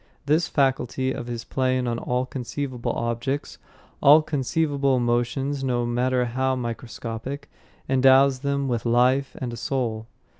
This faculty of his playing on all conceivable objects, all conceivable emotions, no matter how microscopic, endows them with life and a soul.